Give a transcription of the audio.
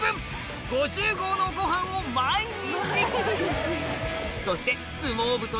５０合のご飯を毎日！